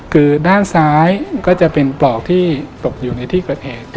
คือด้านซ้ายก็จะเป็นปลอกที่ตกอยู่ในที่เกิดเหตุ